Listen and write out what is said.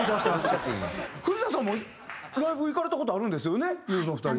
藤田さんもライブ行かれた事あるんですよねゆずのお二人。